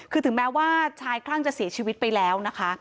คือถึงแม้ว่าชายคลั่งจะเสียชีวิตไปแล้วนะคะ